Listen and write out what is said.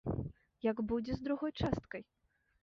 Як будзе з другой часткай?